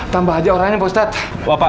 tambah aja orangnya ustadz